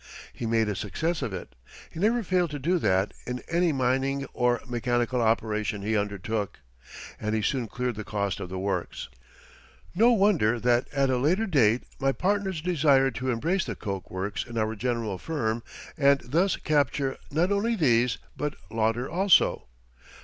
He made a success of it he never failed to do that in any mining or mechanical operation he undertook and he soon cleared the cost of the works. No wonder that at a later date my partners desired to embrace the coke works in our general firm and thus capture not only these, but Lauder also.